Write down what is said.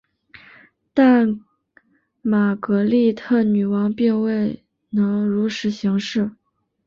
但玛格丽特女王并未能如实行事。